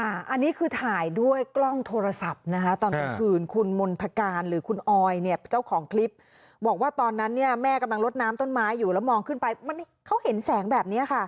อันนี้คือถ่ายด้วยกล้องโทรศัพท์นะคะตอนกลางคืนคุณมณฑการหรือคุณออยเนี่ยเจ้าของคลิปบอกว่าตอนนั้นเนี่ยแม่กำลังลดน้ำต้นไม้อยู่แล้วมองขึ้นไปมันเขาเห็นแสงแบบนี้ค่ะ